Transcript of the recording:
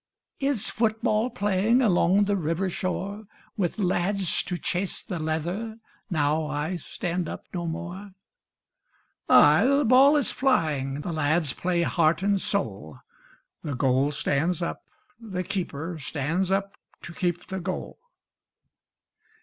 "Is football playing Along the river shore, With lads to chase the leather, Now I stand up no more?" Ay, the ball is flying, The lads play heart and soul; The goal stands up, the keeper Stands up to keep the goal.